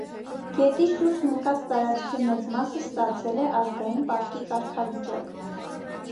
Գետի շուրջն ընկած տարածքի մեծ մասը ստացել է ազգային պարկի կարգավիճակ։